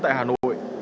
tại hà nội